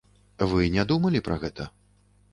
Вы не думалі пра гэта?